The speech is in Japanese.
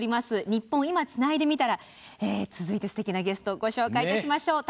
「ニッポン『今』つないでみたら」。続いてすてきなゲストをご紹介しましょう。